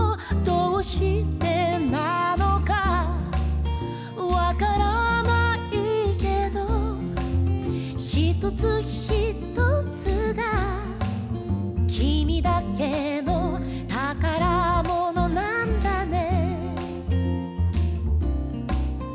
「どうしてなのかわからないけど」「ひとつひとつがきみだけのたからものなんだね」